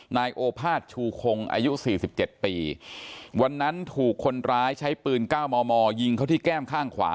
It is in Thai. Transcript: นายโอภาษชูคงอายุ๔๗ปีวันนั้นถูกคนร้ายใช้ปืน๙มมยิงเขาที่แก้มข้างขวา